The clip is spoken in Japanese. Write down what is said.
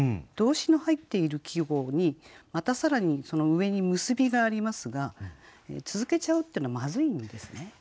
動詞の入っている季語にまた更にその上に「結び」がありますが続けちゃうっていうのはまずいんですね。